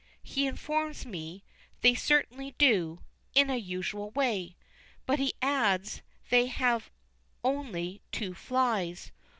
He informs me, they certainly do "in a usual way." But he adds, they have only two flys.